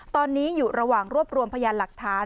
ตอนนี้อยู่ระหว่างรวบรวมพยานหลักฐาน